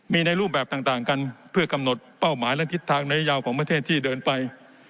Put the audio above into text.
มีในรูปแบบต่างกันเพื่อกำหนดเป้าหมายและทิศทางในยาวของประเทศที่เดินไป